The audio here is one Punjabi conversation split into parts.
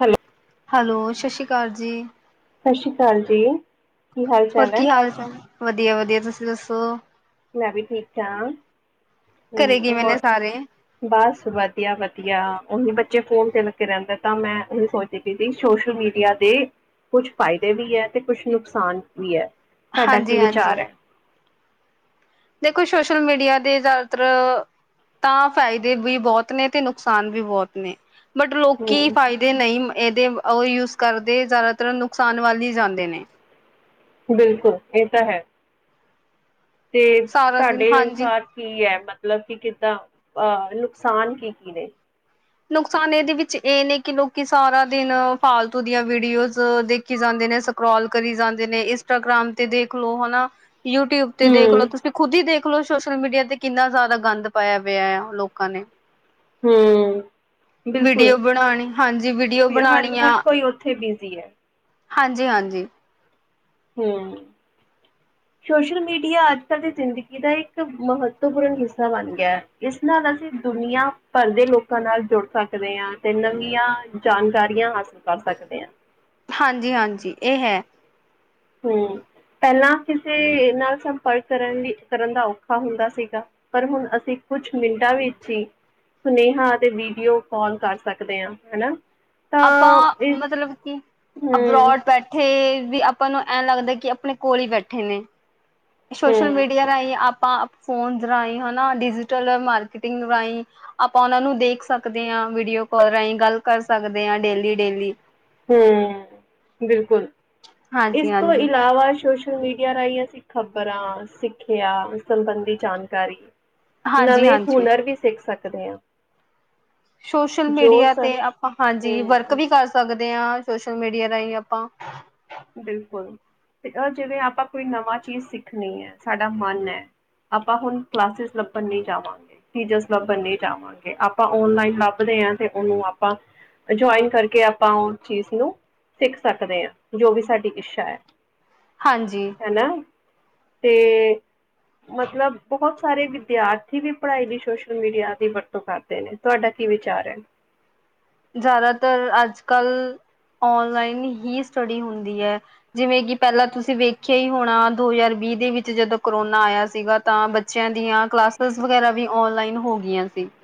ਹੈਲੋ। ਹੈਲੋ, ਸ਼ਸ਼ੀ ਕਾਲ ਜੀ। ਸ਼ਸ਼ੀਕਾਲ ਜੀ। ਕੀ ਹਾਲ ਹੋਰ ਚਾਲ ਹੈ ਕੀ ਹਾਲ ਚਾਲ? ਵਧੀਆ, ਵਧੀਆ, ਤੁਸੀਂ ਦੱਸੋ? ਮੈ ਵੀ ਠੀਕ ਆ। ਹੂੰ, ਘਰੇ ਕਿਵੇਂ ਹੋ, ਨੇ ਸਾਰੇ? ਬਸ ਵਧੀਆ, ਵਧੀਆ। ਉਹੀ ਬੱਚੇ ਫੋਨ ਤੇ ਲ ਕੇ ਰਹਿੰਦੇ ਤਾ, ਮੈਂ ਉਹੀ ਸੋਚਦੀ ਪ ਸੀ ਸੋਸ਼ਲ ਮੀਡੀਆ ਤੇ ਕੁਛ ਫਾਇਦੇ ਵੀ ਏ ਤੇ, ਕੁਛ ਨੁਕਸਾਨ ਵੀ ਏ। ਤਾਡਾ ਹਾਂਜੀ ਕੀ ਹਾਂਜੀ। ਵਿਚਾਰ ਐ? ਦੇਖੋ, ਸ਼ੋਸ਼ਲ ਮੀਡੀਆ ਦੇ ਜ਼ਿਆਦਾਤਰ ਤਾਂ ਫਾਇਦੇ ਵੀ ਬਹੁਤ ਨੇ, ਤੇ ਨੁਕਸਾਨ ਵੀ ਬਹੁਤ ਨੇ। ਬਟ ਲੋਕੀ ਹਮ ਫਾਇਦੇ ਨਈ ਏਦੇ ਉਹ ਯੂਜ ਕਰਦੇ ਜ਼ਿਆਦਾਤਰ ਨੁਕਸਾਨ ਵੱਲ ਹੀ ਜਾਂਦੇ ਨੇ। ਬਿਲਕੁਲ, ਇਹ ਤਾ ਹੈ। ਤੇ ਸਾਰਾ ਦਿਨ ਤਾਡੇ ਹਾਂਜੀ ਅਨੁਸਾਰ ਕੀ ਐ? ਮਤ ਲਬ ਕੀ ਕਿਦਾ? ਅਹ ਨੁਕਸਾਨ ਕੀਕੀ ਨੇ? ਨੁਕਸਾਨ ਇਦੇ ਵਿੱਚ ਇਹ ਨੇ ਕਿ ਲੋਕੀ ਸਾਰਾ ਦਿਨ ਫਾਲਤੂ ਦੀਆਂ ਵੀਡੀਓਜ਼ ਦੇਖੀ ਜਾਂਦੇ ਨੇ, ਸਕਰੋਲ ਕਰੀ ਜਾਂਦੇ ਨੇ, ਇਸਟਾਗ੍ਰਾਮ ਤੇ ਦੇਖ ਲੋ ਹਨਾ? ਯੂ ਟਯੂਬ ਤੇ ਦੇਖ ਲੋੋ, ਹਮ ਤੁਸੀ ਖੁਦ ਹੀ ਦੇਖ ਦੇਖਲੋ, ਸੋਸ਼ਲ ਮੀਡੀਆ ਤੇ ਕਿੰਨਾ ਜਾਦਾ ਗੰਦ ਪਾਆ ਪਿਆ ਆ ਲੋਕਾਂ ਨੇ। ਹੂੰ। ਬਿਲਕੁਲ ਵੀਡੀਓ ਬਣਾਣੀ ਹਾਂਜੀ ਵੀਡੀਓ ਹਰ ਬਣਾਣੀਆਂ ਹਰ ਕੋਈ ਓਥੇ ਦੀ ਐ। ਹਾਂਜੀ, ਹਾਂਜੀ। ਹੂੰ। [inaudible] ਸ਼ੋਸ਼ਲ ਮੀਡੀਆ ਅੱਜ ਕੱਲ ਦੀ ਜ਼ਿੰਦਗੀ ਦਾ ਇੱਕ ਮਹੱਤਵਪੂਰਨ ਹਿੱਸਾ ਬਣ ਗਿਆ। ਇਸ ਨਾਲ ਅਸੀ ਦੁਨੀਆਂ ਭਰ ਦੇ ਲੋਕਾਂ ਨਾਲ ਜੁੜ ਸਕਦੇ ਆ ਤੇ, ਨਵੀਆ ਜਾਨਕਾਰੀਆਂ ਹਾਸਲ ਕਰ ਸਕਦੇ [unintelligible] ਹਾਂਜੀ, ਹਾਂਜੀ, ਇਹ ਹੈ। ਹੂੰ। ਪੈਲਾ ਕਿਸੇ ਨਾਲ ਸੰਪਰਕ ਕਰਨ ਲਈ, ਕਰਨ ਦਾ ਔਖਾ ਹੁੰਦਾ ਸੀਗਾ, ਪਰ ਹੁਨ ਅਸੀ ਕੁਛ ਮਿੰਟਾਂ ਵਿੱਚ ਹੀ ਸੁਨੇਹਾ ਅਤੇ ਵੀਡੀਓ ਕਾਲ ਕਰ ਸਕਦੇ ਹਾਂ, ਹਨਾ? ਤਾਂ ਆਪਾਂ ਇਸ ਮਤਲਬ ਕਿ ਹੂੰ, ਅਬਰੋਡ ਬੈਠੇ ਵੀ ਆਪਾਂ ਨੂੰ ਐਂ ਲੱਗਦਾ ਕਿ ਆਪਣੇ ਕੋਲ ਹੀ ਬੈਠੇ ਨੇ। ਹੂੰ, ਸ਼ੋਸ਼ਲ ਮੀਡੀਆ ਰਾਹੀ ਆਪਾਂ ਫੋਨ ਰਾਹੀ, ਹਨਾ, ਡਿਜੀਟਲ ਮਾਰਕੀਟਿੰਗ ਰਾਈ, ਆਪਾ ਉਹ ਨੂੰ ਦੇਖ ਸਕਦੇ ਹਾ ਵੀਡੀਓ ਕਾਲ ਰਾਈ ਗੱਲ ਕਰ ਸਕਦੇ ਆ ਡੇਲੀ-ਡੇਲੀ ਹੂੰ ਬਿਲਕੁਲ ਹਾਂਜੀ ਇਸ ਤੋ ਹਾਂਜੀ ਇਲਾਵਾ ਸ਼ੋਸ਼ ਸ਼ਲ ਮੀਡੀਆ ਰਾਹੀ ਅਸੀ ਖ਼ਬਰਾਂ, ਸਿੱਖਿਆ ਸੰਬੰਧੀ ਜਾਨਕਾਰੀ ਹਾਂਜੀ ਨਵੇ ਹਾਂਜੀ ਹੁਨਰ ਵੀ ਸਿੱਖ ਸਕਦੇ ਆ। ਸ਼ੋਸ਼ਲ ਮੀਡੀਆ ਤੇ ਆਪਾ ਹਾਂਜੀ, ਵਰਕ ਹਮ ਵੀ ਕਰ ਸਕਦੇ ਆਂ। ਸ਼ੋਸਲ ਮੀਡੀਆ ਰਾਹੀ ਆਪਾਂ ਬਿਲਕੁਲ ਤੇ ਅ ਜਿੜਾ ਆਪਾਂ ਕੋਈ ਨਵਾ ਚੀਜ਼ ਸਿੱਖਨੀ ਏ, ਸਾਡਾ ਮਨ ਐ। ਆਪਾ ਹੁਨ ਕਲਾਸਿਸ ਲੱਭਨ ਨਈ ਜਾਵਾਂਗੇ, ਟੀਚਰਸ ਲੱਭਨ ਨੀ ਜਾਵਾਂਗੇ, ਆਪਾਂ ਓਨਲਾਈਨ ਲੱਭ ਲਿਆ। ਤੇ ਉਨੂੰ ਆਪਾ ਜੋਇਨ ਕਰਕੇ, ਆਪਾ ਉਹ ਚੀਜ਼ ਨੂੰ ਸਿੱਖ ਸਕਦੇ ਆ। ਜੋ ਵੀ ਸਾਡੀ ਇਸ਼ਾ ਹੈ। ਹਾਂਜੀ ਹਨਾ ਤੇ ਮਤਲਬ ਬਹੁਤ ਸਾਰੇ ਵਿਦਿਆਰਥੀ ਵੀ ਪੜ੍ਹਾਈ ਦੀ ਸੋਸ਼ਲ ਮੀਡੀਆ ਦੀ ਵਰਤੋਂ ਕਰਦੇ ਨੇ ਤੁਹਾਡਾ ਕੀ ਕੀ ਵਿਚਾਰ ਹੈ। ਜਿਆਦਾਤਰ ਅਜ ਕਲ ਆਨਲਾਈਨ ਹੀ ਸਟੱਡੀ ਹੁੰਦੀ ਹੈ ਜਿਵੇਂ ਕਿ ਪਹਿਲਾਂ ਤੁਸੀਂ ਵੇਖਿਆ ਹੀ ਹੋਣਾ ਦੋ ਹਜ਼ਾਰ ਵੀਹ ਦੇ ਵਿੱਚ ਜਦੋਂ ਕਰੋਨਾ ਆਇਆ ਸੀਗਾ, ਤਾਂ ਬੱਚਿਆਂ ਦੀਆਂ ਕਲਾਸਿਸ ਵਗੈਰਾ ਵੀ ਔਨਲਾਈਨ ਹੋ ਗਈਆਂ ਸੀ। [inaudible]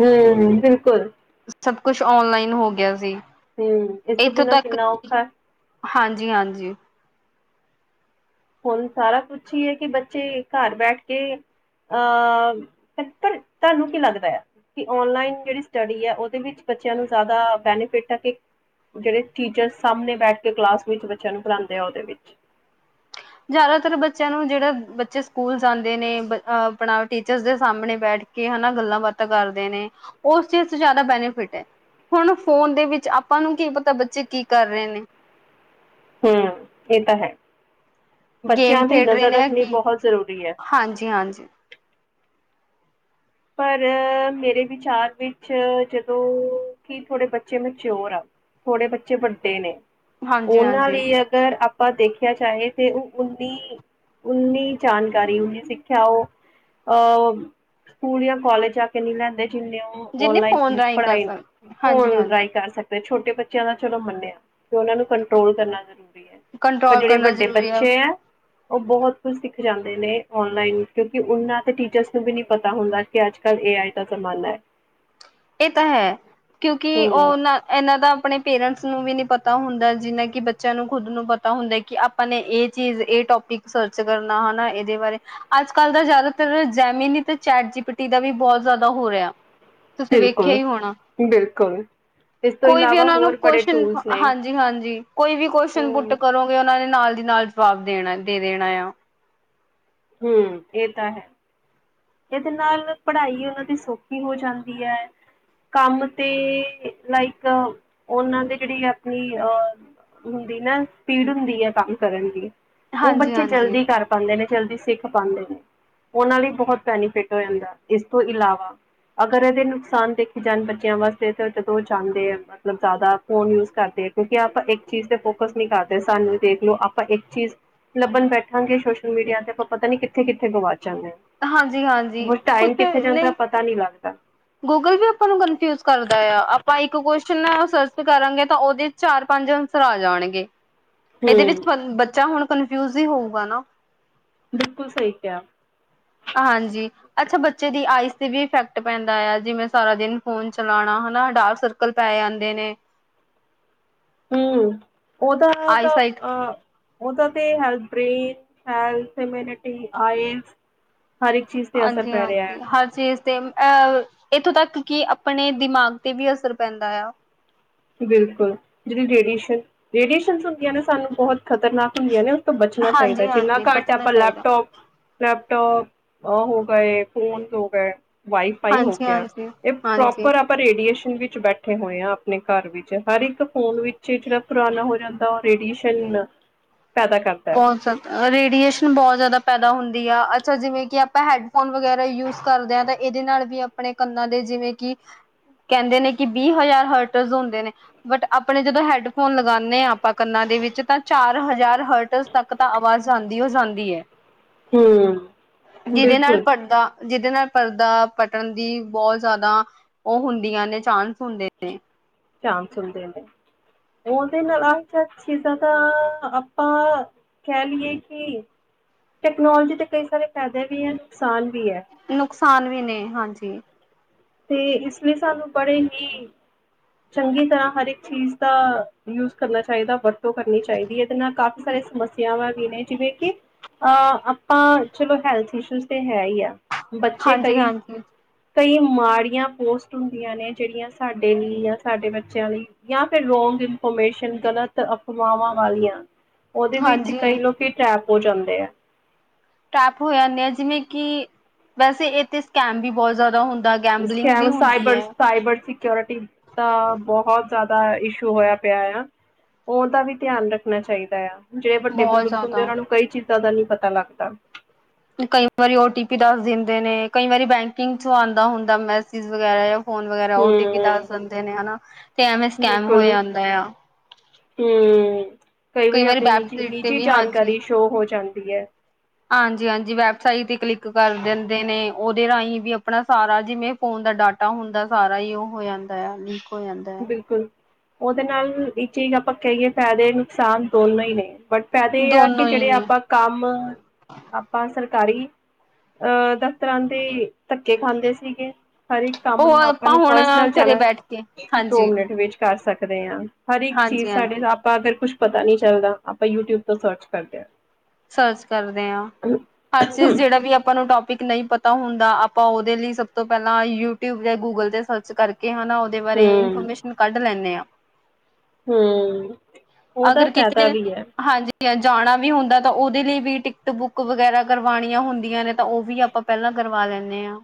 ਹੂੰ ਬਿਲਕੁਲ ਸਭ ਕੁਛ ਔਨਲਾਈਨ ਹੋ ਗਿਆ ਸੀ। ਹੂੰ ਇਸ ਤੋਂ ਬਿਨਾਂ ਕਿੰਨਾ ਔਖਾ ਹਾਂਜੀ -ਹਾਂਜੀ ਹੁਣ ਸਾਰਾ ਕੁਛ ਹੀ ਹੈ ਕਿ ਬੱਚੇ ਘਰ ਬੈਠ ਕੇ ਅ ਪਰ ਤੁਹਾਨੂੰ ਕੀ ਲੱਗਦਾ ਕਿ ਔਨਲਾਈਨ ਜਿਹੜੀ ਸਟੱਡੀ ਹੈ ਉਹਦੇ ਵਿੱਚ ਬੱਚਿਆਂ ਨੂੰ ਜ਼ਿਆਦਾ ਬੈਨੀਫਿਟ ਹੈ ਕਿ ਜਿਹੜੇ ਟੀਚਰ ਸਾਹਮਣੇ ਬੈਠ ਕੇ ਕਲਾਸ ਵਿੱਚ ਬੱਚਿਆਂ ਨੂੰ ਪੜ੍ਹਾਉਂਦੇ ਆ ਉਹਦੇ ਵਿੱਚ ਜ਼ਿਆਦਾਤਰ ਬੱਚਿਆਂ ਨੂੰ ਜਿਹੜਾ ਬੱਚੇ ਸਕੂਲ ਜਾਂਦੇ ਨੇ ਆਪਣਾ ਟੀਚਰ ਦੇ ਸਾਹਮਣੇ ਬੈਠਦੇ ਕੇ ਹਨਾ ਗੱਲਾਂ ਬਾਤਾਂ ਕਰਦੇ ਨੇ, ਉਸ ਚੀਜ਼ 'ਚ ਜ਼ਿਆਦਾ ਬੈਨੀਫਿਟ ਹੈ। ਹੁਣ ਫੋਨ ਦੇ ਵਿੱਚ ਆਪਾਂ ਨੂੰ ਕੀ ਪਤਾ ਬੱਚੇ ਕੀ ਕਰ ਰਹੇ ਨੇ। ਹੂੰ ਇਹ ਤਾਂ ਹੈ। ਗੇਮ ਬੱਚਿਆਂ ਦੀ ਖੇਡ ਰਹੇ ਨਜ਼ਰ ਨੇ ਜਾਂ ਰੱਖਣੀ ਕੀ ਬਹੁਤ ਜ਼ਰੂਰੀ ਹੈ। ਹਾਂਜੀ-ਹਾਂਜੀ, ਪਰ ਮੇਰੇ ਵਿਚਾਰ ਵਿੱਚ ਜਦੋਂ ਕਿ ਥੋੜੇ ਬੱਚੇ ਮੈਂਚਓਰ ਆ। ਥੋੜੇ ਬੱਚੇ ਵੱਡੇ ਨੇ ਉਹਨਾਂ ਹਾਂਜੀ-ਹਾਂਜੀ। ਲਈ ਅਗਰ ਆ ਪਰ ਦੇਖਿਆ ਜਾਏ ਤੇ, ਉਹ ਉਨੀ ਨੀ ਜਾਣਕਾਰੀ ਉਨੀ ਸਿੱਖਿਆ ਉਹ ਅਹ ਸਕੂਲ ਜਾਂ ਕਾਲਜ ਜਾ ਕੇ ਨਹੀਂ ਲੈਂਦੇ। ਜਿੰਨੇ ਉਹ ਜਿੰਨੇ ਫੋਨ ਔਨਲਾਈਨ ਰਾਹੀਂ ਕਰ ਪੜ੍ਹਾਈ ਸਕ ਫੋਨ ਹਾਂਜੀ-ਹਾਂਜੀ ਰਾਹੀਂ ਕਰ ਸਕਦੇ ਛੋਟੇ ਬੱਚਿਆਂ ਦਾ ਚਲੋ ਮੰਨਿਆ ਕਿ ਉਹਨਾਂ ਨੂੰ ਕੰਟਰੋਲ ਕਰਨਾ ਜਰੂਰੀ ਹੈ। ਪਰ ਕੰਟਰੋਲ ਜਿਹੜੇ ਕਰਨਾ ਵੱਡੇ ਜ਼ਰੂਰੀ ਬੱਚੇ ਹੈ ਉਹ ਬਹੁਤ ਸਿੱਖ ਜਾਂਦੇ ਨੇ ਆਨਲਾਈਨ ਕਿਉਂਕਿ ਉਹਨਾਂ ਦੇ ਟੀਚਰਸ ਨੂੰ ਵੀ ਨਹੀਂ ਪ ਪਤਾ ਹੁੰਦਾ ਕਿ ਅੱਜ ਕੱਲ੍ਹ ਏ ਆਈ ਦਾ ਜ਼ਮਾਨਾ। ਇਹ ਤਾਂ ਹੈ ਕਿਉਂਕਿ ਹਮ ਉਹਨਾਂ ਇਨ੍ਹਾਂ ਦਾ ਆਪਣੇ ਪੇਰੈਂਟਸ ਨੂੰ ਵੀ ਨੀ ਪਤਾ ਹੁੰਦਾ ਜਿਨਾਂ ਕਿ ਬੱਚਿਆਂ ਨੂੰ ਖੁਦ ਨੂੰ ਪਤਾ ਹੁੰਦਾ, ਕਿ ਆਪਾਂ ਨੇ ਇਹ ਚੀਜ਼ ਇਹ ਟੋਪ ਇੱਕ ਸਰਚ ਕਰਨਾ ਹਨਾ ਇਹਦੇ ਬਾਰੇ ਅੱਜ ਕੱਲ ਦਾ ਜ਼ਿਆਦਾਤਰ ਜੈਮੀਨ ਤੇ ਚੈਟ ਜੀਪਟੀ ਦਾ ਵੀ ਬਹੁਤ ਜ਼ਿਆਦਾ ਹੋ ਰਿਹਾ ਤੁਸੀਂ ਵੇਖਿਆ ਬਿਲਕੁਲ ਹੀ ਹੋਣਾ। ਬਿਲਕੁਲ ਇਸ ਤੋਂ ਕੋਈ ਵੀ ਇਲਾਵਾ ਉਹਨਾਂ ਨੂੰ ਹੋਰ ਬੜੇ ਕੁਸ਼ ਟੂਲਸ ਨੇ ਹਾਂਜੀ- ਹਾਂਜੀ ਕੋਈ ਵੀ ਕੁਸ਼ਚਨ ਪੁੱਟ ਹੂੰ ਕਰੋਗੇ ਉਹਨਾਂ ਨੇ ਨਾਲ ਨਾਲ ਜਵਾਬ ਦੇਣਾ ਦੇ ਦੇਣਾ ਆ। ਹੂੰ ਇਹ ਤਾਂ ਹੈ। ਇਹਦੇ ਨਾਲ ਪੜ੍ਹਾਈ ਉਹਨਾਂ ਦੀ ਸੌਖੀ ਹੋ ਜਾਂਦੀ ਐ। ਕੰਮ ਤੇ ਲਾਈਕ ਉਹਨਾਂ ਦੇ ਜਿਹੜੀ ਆਪਣੀ ਅ ਹੁੰਦੀ ਨਾ ਸਪੀਡ ਹੁੰਦੀ ਹੈ ਕੰਮ ਕਰਨ ਦੀ। ਉਹ ਹਾਂਜੀ ਬੱਚੇ ਹਾਂਜੀ ਜਲਦੀ ਕਰ ਪਾਉਂਦੇ ਨੇ, ਜਲਦੀ ਸਿੱਖ ਪਾਉਂਦੇ ਨੇ, ਉਹਨਾਂ ਲਈ ਬਹੁਤ ਬੈਨੀਫਿਟ ਹੋ ਜਾਂਦਾ ਇਸ ਤੋਂ ਇਲਾਵਾ ਅਗਰ ਇਹਦੇ ਨੁਕਸਾਨ ਦੇਖੇ ਜਾਣ ਬੱਚਿਆਂ ਵਾਸਤੇ ਤਾਂ ਜਦੋਂ ਜਾਂਦੇ ਆ ਮਤਲਬ ਜ਼ਿਆਦਾ ਫੋਨ ਯੂਜ਼ ਕਰਦੇ ਕਿਉਂਕਿ ਆਪਾਂ ਇੱਕ ਚੀਜ਼ ਤੇ ਫੋਕਸ ਨਹੀਂ ਕਰਦੇ, ਸਾਨੂੰ ਦੇਖ ਲਓ, ਆਪਾਂ ਇੱਕ ਚੀਜ਼ ਲੱਭਣ ਬੈਠਾਂਗੇ ਸੋਸ਼ਲ ਮੀਡੀਆ 'ਤੇ ਆਪਾਂ ਪਤਾ ਨੀ ਕਿੱਥੇ ਕਿੱਥੇ ਗੁਆਚ ਜਾਂਦੇ ਹਾਂ ਹਾਂਜੀ ਹਾਂਜੀ ਹੋਰ ਕੁਛ ਟਾਈਮ ਕਿੱਥੇ ਜਾਂਦਾ ਪਤਾ ਨਹੀਂ ਲੱਗਦਾ ਗੂਗਲ ਵੀ ਆਪਾਂ ਨੂੰ ਕਨਫਿਊਜ ਕਰਦਾ ਆ ਆਪਾਂ ਇੱਕ ਕੁਚਨ ਸਰਚ ਕਰਾਂਗੇ ਤਾਂ ਉਹਦੇ ਚਾਰ ਪੰਜ ਅਨਸਰ ਆ ਜਾਣਗੇ ਇਹਦੇ ਵਿੱਚ ਹੂੰ। ਬੱਚਾ ਹੁਣ ਕਨਫਿਊਜ਼ ਹੀ ਹੋਊਗਾ ਨਾ? ਬਿਲਕੁਲ ਸਹੀ ਕਿਆ, ਹਾਂਜੀ ਅੱਛਾ ਬੱਚੇ ਦੀ ਆਈ? ਵੀ ਇਫੈਕਟ ਪੈਂਦਾ ਆ ਜਿਵੇਂ ਸਾਰਾ ਦਿਨ ਫੋਨ ਚਲਾਉਣਾ, ਹਨਾ ਡਾਰਕ ਸਰਕਲ ਪੈ ਜਾਂਦੇ ਨੇ। ਹਮ ਹਮ ਉਹਦਾ ਤਾਂ ਅਹ ਉਹਦਾ ਹੈ ਬ੍ਰੇਨ ਹੈਮਿਨਿਟੀ ਆਈ ਹਰ ਇੱਕ ਚੀਜ਼ ਤੇ ਅਸਰ ਹਾਂਜੀ ਪੈ ਰਿਹਾ ਹੈ ਹਾਂਜੀ ਹਰ ਚੀਜ਼ ਤੇ ਅਹ ਇੱਥੋਂ ਤੱਕ ਕਿ ਆਪਣੇ ਦਿਮਾਗ ਤੇ ਵੀ ਅਸਰ ਪੈਂਦਾ ਆ ਬਿਲਕੁਲ ਜਿਹੜੀ ਰੇਡੀਏਸ਼ਨ ਰੇਡੀਏਸ਼ਨ ਹੁੰਦੀਆਂ ਨੇ ਸਾਨੂੰ ਬਹੁਤ ਖਤਰਨਾਕ ਹੁੰਦੀਆਂ ਨੇ ਤੋਂ ਬਚਣਾ ਹਾਂਜੀ ਚਾਹੀਦਾ ਜਿੰਨਾ ਹਾਂਜੀ ਘੱਟ ਹੈ ਬਚਣਾ ਆਪਾਂ ਚਾਹੀਦਾ ਲੈਪਟੋਪ ਲੈ ਲੈਪਟੋਪ ਹੋ ਗਏ ਫੋਨ ਹੋ ਗਏ ਵਾਈਫਾਈ ਹੋ ਹਾਂਜੀ ਗਿਆ ਹਾਂਜੀ ਇਹ ਹਾਂਜੀ ਪ੍ਰੋਪਰ ਆਪਾਂ ਰੇਡੀਏਸ਼ਨ ਵਿੱਚ ਬੈਠੇ ਹੋਏ ਹਾਂ ਆਪਣੇ ਘਰ ਵਿੱਚ ਹਰ ਇੱਕ ਫੋਨ ਵਿੱਚ ਜਿਹੜਾ ਪੁਰਾਣਾ ਹੋ ਜਾਂਦਾ ਉਹ ਰੇਡੀਏਸ਼ਨ ਪੈਦਾ ਕਰਦਾ ਹੈ ਬਹੁਤ ਜ਼ਿਆਦਾ ਰੇਡੀਏਸ਼ਨ ਬਹੁਤ ਜ਼ਿਆਦਾ ਪੈਦਾ ਹੁੰਦੀ ਆ ਅੱਛਾ ਜਿਵੇਂ ਕਿ ਆਪਾਂ ਹੈਡਫੋਨ ਵਗੈਰਾ ਯੂਜ ਕਰਦੇ ਹਾਂ ਤਾਂ ਇਹਦੇ ਨਾਲ ਵੀ ਆਪਣੇ ਕੰਨਾਂ ਦੇ ਜਿਵੇਂ ਕਿ ਕਹਿੰਦੇ ਨੇ ਕਿ ਵੀਹ ਹਜ਼ਾਰ ਹਰਟਸ ਹੁੰਦੇ ਨੇ ਬਟ ਆਪਣੇ ਜਦੋਂ ਹੈਡਫੋਨ ਲਗਾਉਂਦੇ ਹਾਂ ਆਪਾਂ ਕੰਨਾ ਦੇ ਵਿੱਚ ਤਾਂ ਚਾਰ ਹਜ਼ਾਰ ਹਰਟ ਤੱਕ ਤਾਂ ਆਵਾਜ਼ ਆਦੀ ਹੋ ਜਾਂਦੀ ਹੈ ਹਮ ਜਿਹਦੇ ਨਾਲ ਬਿਲਕੁਲ ਪੜ੍ਹਦਾ ਜਿਹਦੇ ਨਾਲ ਪਰਦਾ ਪਟਣ ਦੀ ਬਹੁਤ ਜ਼ਿਆਦਾ ਉਹ ਹੁੰਦੀਆਂ ਨੇ ਚਾਂਸ ਹੁੰਦੇ ਨੇ ਚਾਮ ਸੁਲਦੇ ਡ ਉਹਦੇ ਨਾਲ ਲਾਲ ਚਛੀਜ਼ਾਂ ਤਾਂ ਆਪਾਂ ਕਹਿ ਲਈਏ ਕਿ ਟੈਕਨੋਲੋਜੀ ਦੇ ਕਈ ਸਾਰੇ ਫਾਇਦੇ ਵੀ ਹੈ ਨੁਕਸਾਨ ਵੀ ਹੈ ਨੁਕਸਾਨ ਵੀ ਨੇ ਹਾਂਜੀ ਤੇ ਇਸ ਲਈ ਸਾਨੂੰ ਪੜ੍ਹੇਗੀ ਚੰਗੀ ਤਰ੍ਹਾਂ ਹਰ ਇੱਕ ਚੀਜ਼ ਦਾ ਯੂਜ ਕਰਨਾ ਚਾਹੀਦਾ ਵਰਤੋਂ ਕਰਨੀ ਚਾਹੀਦੀ ਇਹਦੇ ਨਾਲ ਕਾਫੀ ਸਾਰੇ ਸਮੱਸਿਆਵਾਂ ਵੀ ਨੇ ਜਿਵੇਂ ਕਿ ਅਹ ਆਪਾਂ ਚਲੋ ਹੈਲਥ ਇਸ਼ੂ ਤੇ ਹੈ ਹੀ ਆ ਬੱਚੇ ਹਾਂਜੀ ਕਈ ਹਾਂਜੀ ਕਈ ਮਾੜੀਆਂ ਪੋਸਟ ਹੁੰਦੀਆਂ ਨੇ ਜਿਹੜੀਆਂ ਸਾਡੇ ਲਈ ਜਾਂ ਸਾਡੇ ਬੱਚਿਆਂ ਲਈ ਜਾਂ ਫਿਰ ਰੋ ਗਲਤ ਅਫਵਾਵਾਂ ਵਾਲੀਆਂ ਉਹਦੇ ਵਿੱਚ ਹਾਂਜੀ ਕਈ ਲੋਕ ਟੈਪ ਹੋ ਜਾਂਦੇ ਹੈ ਟੈਪ ਹੋ ਜਾਂਦੇ ਆ ਜਿਵੇਂ ਕਿ ਵੈਸੇ ਇਹਥ ਸਕੈਮ ਵੀ ਬਹੁਤ ਜ਼ਿਆਦਾ ਹੁੰ ਕ ਸਾਈਬਰ ਸਾਈਬਰ ਸੀ ਸਕਓਰਿਟੀ ਦਾ ਬਹੁਤ ਜ਼ਿਆਦਾ ਇਸ਼ੂ ਹੋਇਆ ਪਿਆ ਆ ਉਹਦਾ ਵੀ ਧਿਆਨ ਰੱਖਣਾ ਚਾਹੀਦਾ ਆ ਜਿਹੜੇ ਵੱਡੇ ਬਹੁਤ ਬਜ਼ੁਰਗ ਹੁੰਦੇ ਜ਼ਿਆਦਾ ਉਹਨਾਂ ਨੂੰ ਕਈ ਚੀਜ਼ਾਂ ਦਾ ਨਹੀਂੀ ਪਤਾ ਲੱਗਦਾ ਕਈ ਵਾਰੀ ਓਟੀ ਪੀ ਦੱਸ ਦਿੰਦੇ ਨੇ ਕਈ ਵਾਰੀ ਬੈਂਕਿੰਗ ਚੋਂ ਆਉਂਦਾ ਹੁੰਦਾ ਮੈਸਜ ਵਗੈਰਾ ਫੋਨ ਵਗਰਾ ਓਟੀ ਪੀ ਦੱਸ ਹੂੰ ਦਿੰਦੇ ਨੇ ਹਨਾ ਤੇ ਐਵੇ ਸਕੈਮ ਹੋ ਜਾਂਦਾ ਆ ਹਮ ਕਈ ਵਾਰੀ ਆਪਣੀ ਨਿੱਜੀ ਵੈਬਸਾਈਟ ਤੇ ਨਿੱਜੀ ਵੀ ਹਾਂਜੀ ਜਾਣਕਾਰੀ ਸ਼ੋਅ ਹੋ ਜਾਂਦੀ ਹੈ ਹਾਂਜੀ ਹਾਂਜੀ ਵੈਬਸਾਈਟ ਤੇ ਕਲਿੱਕ ਕਰ ਦਿੰਦੇ ਨੇ ਉਹਦੇ ਰਾਹੀਂ ਵੀ ਆਪਣਾ ਸਾਰਾ ਜਿਵੇਂ ਫੋਨ ਦਾ ਡਾਟਾ ਹੁੰਦਾ ਸਾਰਾ ਹੀ ਉਹ ਹੋ ਜਾਂਦਾ ਹੈ ਲੀਕ ਹੋ ਜਾਂਦਾ ਹੈ ਬਿਲਕੁਲ ਉਹਦੇ ਨਾਲ ਇੱਕ ਚੀਜ਼ ਆਪਾਂ ਕਹੀਏ ਫਾਇਦੇ ਨੁਕਸਾਨ ਦੋਨੋ ਹੀ ਨੇ ਬਟ ਫੇਦੇ ਇਹ ਆ ਕਿ ਦੋਨੋ ਹੀ ਜਿਹੜੇ ਨੇ ਆਪਾਂ ਕੰਮ ਆਪਾਂ ਸਰ ਕਾਰੀ ਅਹ ਦਫ਼ਤਰਾਂ ਦੇ ਧੱਕੇ ਖਾਂਦੇ ਸੀਗੇ ਹਰ ਇੱਕ ਕੰਮ ਉਹ ਨੂੰ ਆਪਾਂ ਨੂੰ ਹੁਣ ਪਰਸਨਲ ਚ ਘਰੇ ਬੈਠ ਕੇ ਦੋ ਹਾਂਜੀ ਮਿੰਟ ਵਿੱਚ ਕਰ ਸਕਦੇ ਹਾਂ ਹਰ ਇੱਕ ਚੀਜ਼ ਸਾਡੇ ਹਾਂਜੀ-ਹਾਂਜੀ ਆਪਾਂ ਅਗਰ ਕੁਛ ਪਤਾ ਨੀ ਚੱਲਦਾ ਆਪਾਂ ਯੂਟਿਊਬ ਤੋਂ ਸਰਚ ਕਰਦੇ ਹਾਂ ਸਰਚ ਕਰਦੇ ਹਾਂ ਹਰ ਚੀਜ਼ ਜਿਹੜਾ ਵੀ ਆਪਾਂ ਨੂੰ ਟੋਪ ਨਹੀਂ ਪਤਾ ਹੁੰਦਾ ਆਪਾਂ ਉਹਦੇ ਲਈ ਸਭ ਤੋਂ ਪਹਿਲਾਂ ਯੂਟਿਊਬ ਜਾਂ ਗੂਗਲ ਤੇ ਸਰਚ ਕਰਕੇ ਹਨਾ ਉਹਦੇ ਬਾਰੇ ਹਮ ਇਨਫੋਰਮੇਸ਼ਨ ਕੱਢ ਲੈਂਨੇ ਹਾਂ ਹਮ ਉਹ ਤਾਂ ਫੈਦਾ ਵੀ ਹੈ ਜਾਂ ਜਾਣਾ ਵੀ ਹੁੰਦਾ ਤਾਂ ਉਹਦੇ ਲਈ ਵੀ ਟਿਕਟ ਬੁੱਕ ਵਗੈਰਾ ਕਰਵਾਉਣੀਆਂ ਹੁੰਦੀਆਂ ਨੇ ਤਾਂ ਉਹ ਵੀ ਆਪਾਂ ਪਹਿਲਾਂ ਕਰਵਾ ਲੈਂਨੇ ਹਾਂ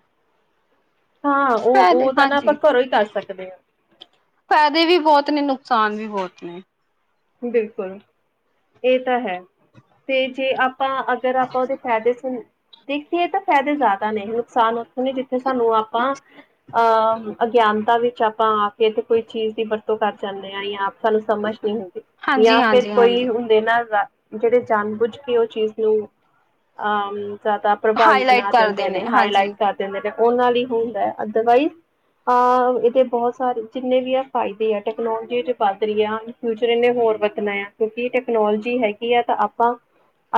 ਹਾਂ ਉਹ ਉਹ ਤਾਂ ਨਾ ਆਪਾਂ ਘਰੋਂ ਹੀ ਕਰ ਸਕਦੇ ਹਾਂ ਫ਼ਾਇਦੇ ਵੀ ਬਹੁਤ ਨੇ ਨੁਕਸਾਨ ਵੀ ਬਹੁਤ ਨੇ ਬਿਲਕੁਲ ਇਹ ਤਾਂ ਹੈ ਤੇ ਜੇ ਆਪਾਂ ਅਗਰ ਆਪਾਂ ਉਹਦੇ ਫ਼ਾਇਦੇ ਦੇਖੀਏ ਤਾਂ ਫਾਇਦੇ ਜ਼ਿਆਦਾ ਨੇ ਨੁਕਸਾਨ ਉੱਥੋਂ ਨ ਤੇ ਸਾਨੂੰ ਆਪਾਂ ਅਹ ਅਗਿਆਨਤਾ ਵਿੱਚ ਆਪਾਂ ਆ ਕੇ ਤੇ ਕੋਈ ਚੀਜ਼ ਦੀ ਵਰਤੋਂ ਕਰ ਜਾਂਦੇ ਹਾਂ ਜਾਂ ਆਪ ਸਾਨੂੰ ਸਮਝ ਨੀ ਹੁੰਦੀ ਜਾਂ ਫੇਿਰ ਕੋਈ ਹਾਂਜੀ-ਹਾਂਜੀ-ਹਾਂਜੀ ਹੁੰਦੇ ਨਾ ਜਿਹੜੇ ਜਾਣ ਬੁੱਝ ਕੇ ਉਹ ਚੀਜ਼ ਨੂੰ ਅਹ ਜ਼ਿਆਦਾ ਪ੍ਰਭਾਵੀ ਹਾਈਲਾਈਟ ਬਣਾ ਕਰਦੇ ਦਿੰਦੇ ਨੇ ਹਾਈ ਲਈਟ ਹਾਂਜੀ। ਕਰ ਦਿੰਦੇ ਨੇ ਉਹਨਾਂ ਲਈ ਹੁੰਦਾ ਅਦਰਵਾਈਜ਼ ਅਹ ਇਹਦੇ ਬਹੁਤ ਸਾਰੇ ਜਿੰਨੇ ਵੀ ਆ ਫਾਇਦੇ ਆ ਟੈਕਨੋਲੋਜੀ ਚ ਵੱਧ ਰਹੀ ਆ ਫਿਊਚਰ ਇੰਨੇ ਹੋਰ ਵਰਤਣਾ ਆ ਕਿਉਂਕਿ ਟੈਕਨੋਲੋਜੀ ਹੈਗੀ ਆ ਤਾਂ ਆਪਾਂ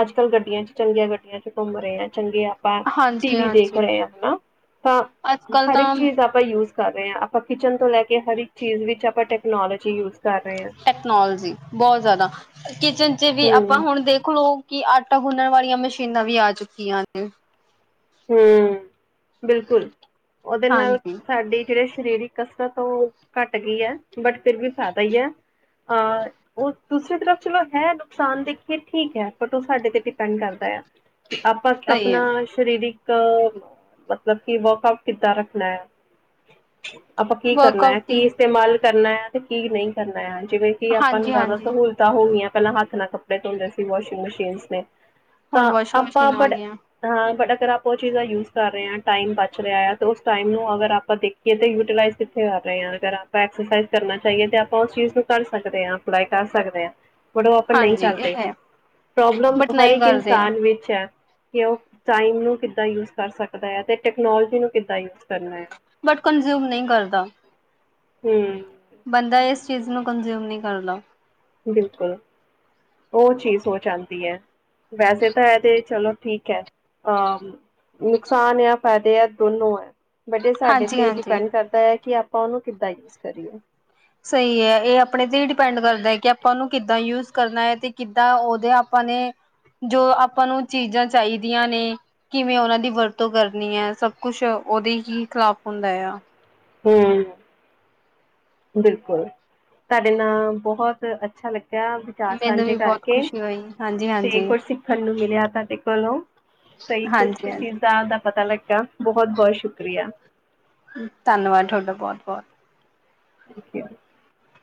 ਅੱਜ ਕੱਲ੍ਹ ਗੱਡੀਆਂ ਚ ਚੱਲ ਗਿਆ ਗੱਡੀਆਂ ਚ ਘੁੰਮ ਰਹੇ ਹੈ ਚੰਗੇ ਆਪਾਂ ਟੀ ਵੀ ਦੇਖ ਹਾਂਜੀ-ਹਾਂਜੀ ਰਹੇ ਹਾਂ ਹਨਾ ਤਾਂ ਅੱਜ ਕੱਲ ਹਰ ਇੱਕ ਤਾਂ ਚੀਜ਼ ਆਪਾਂ ਯੂਜ ਕਰ ਰਹੇ ਹਾਂ ਆਪਾਂ ਕਿਚਨ ਤੋਂ ਲੈ ਕੇ ਹਰ ਇੱਕ ਚੀਜ਼ ਵਿੱਚ ਆਪਾਂ ਟੈਕਨੋਲੋਜੀ ਯੂਜ ਕਰ ਰਹੇ ਹਾਂ ਟੈਕਨੋਲੋਜੀ ਬਹੁਤ ਜ਼ਿਆਦਾ ਕਿਚਨ ਚ ਵੀ ਆਪਾਂ ਹਮ ਹੁਣ ਦੇਖ ਲਓ ਕਿ ਆਟਾ ਗੁੰਨਣ ਵਾਲੀਆਂ ਮਸ਼ੀਨਾਂ ਵੀ ਆ ਚੁੱਕੀਆਂ ਨੇ ਹਮ ਬਿਲਕੁਲ ਉਹਦੇ ਨਾਲ ਹਾਂਜੀ ਸਾਡੀ ਇਕ ਰੀਸ਼ ਸਰੀਰਕ ਕਸਰਤ ਉਹ ਘੱਟ ਗਈ ਹੈ ਬਟ ਫਿਰ ਵੀ ਫਾਇਦਾ ਹੀ ਹੈ ਅ ਉਹ ਦੂਸਰੀ ਤਰਫ ਚਲੋ ਹੈ ਨੁਕਸਾਨ ਦੇਖੀਏ ਠੀਕ ਹੈ ਬਟ ਉਹ ਸਾਡੇ ਤੇ ਡਿਪੈਂਡ ਕਰਦਾ ਆਪਾਂ ਸਹੀ ਆਪਣਾ ਹੈ ਸਰੀਰਕ ਇੱਕ ਮਤਲਬ ਕਿ ਵਰਕ ਆਊਟ ਕਿੱਦਾਂ ਰੱਖਣਾ ਆ ਆਪਾਂ ਕੀ ਕਰਨਾ ਹੈ ਵਰਕਆਊਟ ਕੀ ਦੀ ਇਸਤੇਮਾਲ ਕਰਨਾ ਆ ਤੇ ਕੀ ਨਹੀਂ ਕਰਨਾ ਹੈ ਜਿਵੇਂ ਕਿ ਆਪਾਂ ਨੂੰ ਹਾਂਜੀ ਜ਼ਿਆਦਾ ਹਾਂਜੀ ਸਹੂਲਤਾਂ ਹੋ ਗਈਆਂ ਪਹਿਲਾਂ ਹੱਥ ਨਾਲ ਕੱਪੜੇ ਧੋਂਦੇ ਸੀ ਵਾਸ਼ਿੰਗ ਮਸ਼ੀਨ ਨੇ ਹੁਣ ਤਾਂ ਵਾਸ਼ਿੰਗ ਆਪਾਂ ਮਸ਼ੀਨ ਆ ਬੜ ਗਈਆਂ ਹਾ ਬੜ ਉਹ ਚੀਜ਼ਾਂ ਯੂਜ ਕਰ ਰਹੇ ਹ ਟਾਈਮ ਬਚ ਰਿਹਾ ਹੈ ਤੇ ਉਸ ਟਾਈਮ ਨੂੰ ਅਗਰ ਆਪਾਂ ਦੇਖੀਏ ਤਾਂ ਯੂਟੀਲਾਈਜ਼ ਕਿੱਥੇ ਕਰ ਰਹੇ ਹਾਂ ਅਗਰ ਆਪਾਂ ਐਕਸਰਸਾਈਜ਼ ਕਰਨਾ ਚਾਹੀਏ ਤੇ ਆਪਾਂ ਉਸ ਚੀਜ਼ ਨੂੰ ਕਰ ਸਕਦੇ ਹਾਂ ਪੜ੍ਹਾਈ ਕਰ ਸਕਦੇ ਹਾਂ ਬੜੋ ਆਪਾਂ ਨਹੀਂ ਹਾਂਜੀ ਇਹ ਕਰਦੇ ਹੈ ਪ੍ਰੋਬਲਮ ਬਟ ਹਰ ਨਹੀਂ ਇੱਕ ਕਰਦੇ ਇਨਸਾਨ ਵਿੱਚ ਹੈ ਕਿ ਉਹ ਟਾਈਮ ਨੂੰ ਕਿੱਦਾਂ ਯੂਜ ਕਰ ਸਕਦਾ ਹੈ ਤੇ ਟੈਕਨੋਲੋਜੀ ਨੂੰ ਕਿੱਦਾਂ ਯੂਜ਼ ਬਟ ਕੰਨਜ਼ਿਊਮ ਨਹੀਂ ਕਰਦਾ ਹਮ ਬੰਦਾ ਇਸ ਚੀਜ਼ ਨੂੰ ਕੰਜ਼ਿਊਮ ਨਹੀਂ ਕਰਦਾ ਬਿਲਕੁਲ ਉਹ ਚੀਜ਼ ਹੋ ਜਾਂਦੀ ਹੈ ਵੈਸੇ ਤਾਂ ਇਹ ਤੇ ਚਲੋ ਠੀਕ ਹੈ ਅਹ ਨੁਕਸਾਨ ਜਾਂ ਫ਼ਾਇਦੇ ਹੈ ਦੋਨੋ ਹੈ ਵਡੇ ਸਾਡੇ ਹਾਂਜੀ ਤੇ ਹਾਂਜੀ ਡਿਪੈਂਡ ਕਰਦਾ ਹੈ ਕਿ ਆਪਾਂ ਉਹਨੂੰ ਕਿੱਦਾਂ ਯੂਜ ਕਰੀਏ ਸਹੀ ਹੈ ਇਹ ਆਪਣੇ ਤੇ ਹੀ ਡਿਪੈਂਡ ਕਰਦਾ ਹੈ ਕਿ ਆਪਾਂ ਉਹਨੂੰ ਕਿੱਦਾਂ ਯੂਜ ਕਰਨਾ ਹੈ ਤੇ ਕਿੱਦਾਂ ਉਹਦੇ ਆਪਾਂ [unintelligible] ਜੋ ਆਪਾਂ ਨੂੰ ਚੀਜ਼ਾਂ ਚਾਹੀਦੀਆਂ ਨੇ ਕਿਵੇਂ ਉਹਨਾਂ ਦੀ ਵਰਤੋਂ ਕਰਨੀ ਹੈ ਸਭ ਕੁਛ ਉਹਦੇ ਹੀ ਕੀ ਖਿਲਾਫ ਹੁੰਦਾ ਆ ਹਮ ਬਿਲਕੁਲ ਤੁਹਾਡੇ ਨਾਲ ਬਹੁਤ ਅੱਛਾ ਲੱਗ ਕਿਆ ਵਿਚਾਰ ਮੈਨੂੰ ਸਾਂਝੇ ਵੀ ਬਹੁਤ ਕਰਕੇ ਖੁਸ਼ੀ ਹੋਈ ਹਾਂਜੀ ਤੇ ਹਾਂਜੀ ਕੋ ਸਿੱਖਣ ਨੂੰ ਮਿਲਿਆ ਤੁਡੇ ਕੋਲੋਂ ਕਈ ਕੁਛ ਹਾਂਜੀ ਹਾਂਜੀ ਚੀਜ਼ਾਂ ਦਾ ਪਤਾ ਲੱਗ ਬਹੁਤ ਬਹੁਤ ਸ਼ੁਕਰੀਆ ਧੰਨਵਾਦ ਤੁਹਾਡਾ ਬਹੁਤ ਬਹੁਤ [unintelligible]